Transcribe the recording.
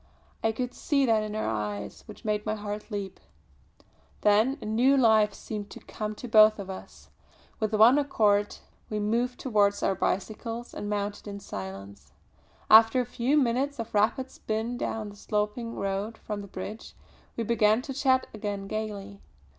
I could see that in her eyes which made my heart leap. Then a new life seemed to come to both of us. With one accord we moved towards our bicycles, and mounted in silence. After a few minutes of rapid spin down the sloping road from the bridge, we began to chat again gaily.